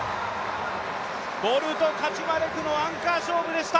ボルとカチュマレクのアンカー勝負でした。